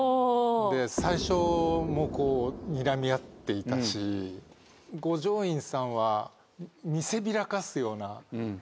最初にらみ合っていたし五条院さんは見せびらかすような。